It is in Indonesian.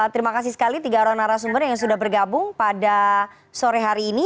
terima kasih sekali tiga orang narasumber yang sudah bergabung pada sore hari ini